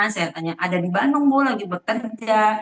saya tanya ada di bandung bu lagi bekerja